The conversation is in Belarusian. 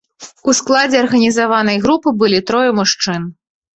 У складзе арганізаванай групы былі трое мужчын.